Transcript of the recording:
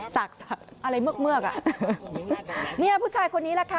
สักอะไรเมือกนี่ผู้ชายคนนี้ล่ะค่ะ